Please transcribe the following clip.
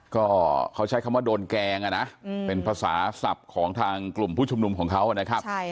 ก็เขาใช้คำว่าโดนแกล้งอ่ะนะเป็นภาษาศัพท์ของทางกลุ่มผู้ชุมนุมของเขานะครับ